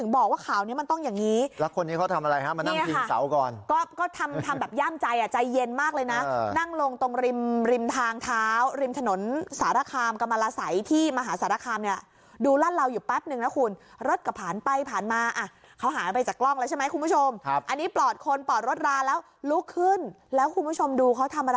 บอกว่าข่าวนี้มันต้องอย่างนี้แล้วคนนี้เขาทำอะไรฮะมานั่งพิงเสาก่อนก็ก็ทำทำแบบย่ามใจอ่ะใจเย็นมากเลยนะนั่งลงตรงริมริมทางเท้าริมถนนสารคามกรรมลาสัยที่มหาสารคามเนี่ยดูรั่นเราอยู่แป๊บนึงนะคุณรถก็ผ่านไปผ่านมาอ่ะเขาหายไปจากกล้องแล้วใช่ไหมคุณผู้ชมอันนี้ปลอดคนปลอดรถราแล้วลุกขึ้นแล้วคุณผู้ชมดูเขาทำอะไร